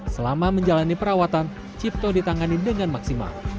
selama menjalani perawatan cipto ditangani dengan maksimal